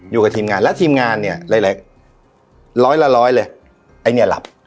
อยู่กับทีมงานและทีมงานเนี่ยหลายร้อยละร้อยเลยไอ้เนี่ยหลับ